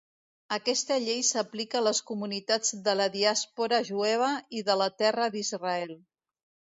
Aquesta llei s'aplica a les comunitats de la diàspora jueva i de la Terra d'Israel.